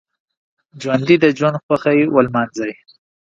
ژوندي د ژوند خوښۍ ولمانځي